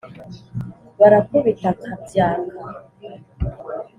Barakubita nkabyka